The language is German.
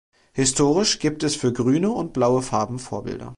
Historisch gibt es für "grüne" und "blaue" Farben Vorbilder.